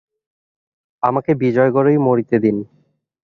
আমাকে বিজয়গড়েই মরিতে দিন।